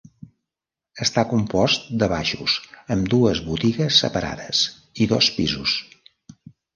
Està compost de baixos, amb dues botigues separades, i dos pisos.